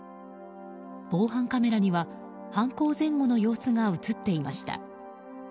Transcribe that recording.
防犯カメラには犯行前後の様子が映っていました。